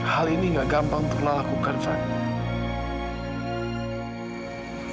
hal ini gak gampang pernah lakukan saya